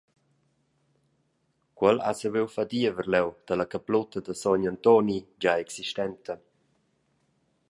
Quel ha saviu far diever leu dalla caplutta da s. Antoni gia existenta.